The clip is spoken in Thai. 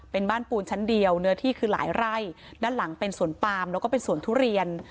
เป็นบ้านปูนชั้นเดียวเนื้อที่คือหลายไร่ด้านหลังเป็นสวนปามแล้วก็เป็นสวนทุเรียน